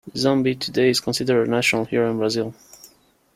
Zumbi today is considered a national hero in Brazil.